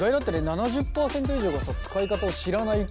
７０％以上がさ使い方を知らないっていう。